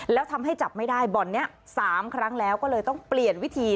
แล้วทำให้จับไม่ได้บ่อนนี้๓ครั้งแล้วก็เลยต้องเปลี่ยนวิธี